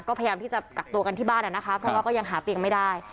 ก็พยายามที่จะกักตัวกันที่บ้านนะคะเพราะว่าก็ยังหาเตียงไม่ได้